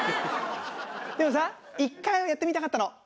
でもさ１回はやってみたかったの。